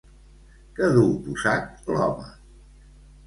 Què duu posat l'home?